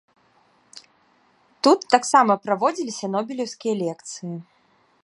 Тут таксама праводзіліся нобелеўскія лекцыі.